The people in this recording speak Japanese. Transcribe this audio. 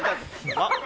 あっ？